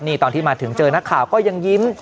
นี่ตอนที่มาถึงเจอนักข่าวก็ยังยิ้ม